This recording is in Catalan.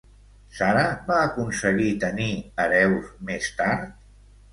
Sara va aconseguir tenir hereus, més tard?